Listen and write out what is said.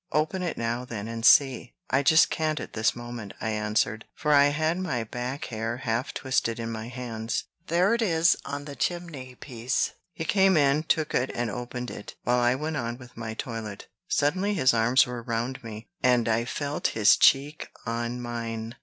"Open it now, then, and see." "I can't just at this moment," I answered; for I had my back hair half twisted in my hands. "There it is on the chimney piece." He came in, took it, and opened it, while I went on with my toilet. Suddenly his arms were round me, and I felt his cheek on mine.